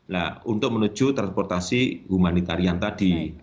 nah untuk menuju transportasi humanitarian tadi